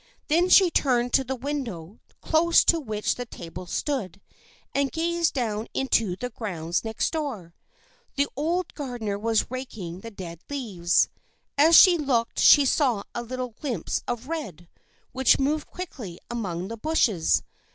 Then she turned to the win dow, close to which the table stood, and gazed down into the grounds next door. The old gar dener was raking the dead leaves. As she looked she saw a little glimpse of red, which moved quickly among the bushes.